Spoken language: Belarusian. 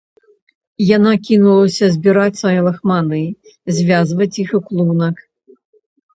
Яна кінулася збіраць свае лахманы, звязваць іх у клунак.